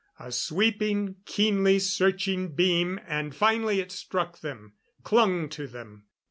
A sweeping, keenly searching beam, and finally it struck them. Clung to them.